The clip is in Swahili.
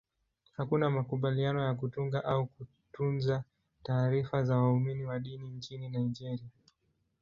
Hakuna makubaliano ya kutunga au kutunza taarifa za waumini wa dini nchini Nigeria.